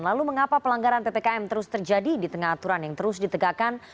lalu mengapa pelanggaran ppkm terus terjadi di tengah aturan yang terus ditegakkan